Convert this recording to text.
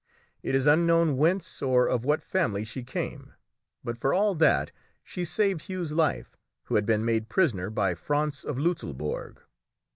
It is unknown whence or of what family she came, but for all that she saved Hugh's life, who had been made prisoner by Frantz of Lutzelbourg.